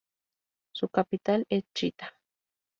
Su capital es Chitá.